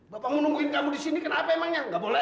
bapak mau nungguin kamu di sini kenapa emangnya nggak boleh